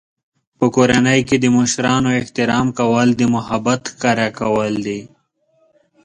په کورنۍ کې د مشرانو احترام کول د محبت ښکاره کول دي.